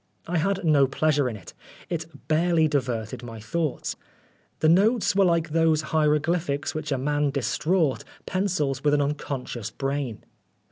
I had no pleasure in it. It barely diverted my thoughts. The notes were like those hieroglyphics which a man distraught pencils with an unconscious brain.